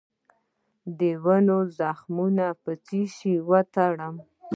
د ونو زخمونه په څه شي وتړم؟